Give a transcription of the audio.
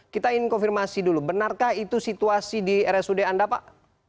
kita ingin konfirmasi dulu benarkah itu situasi di rsud anda pak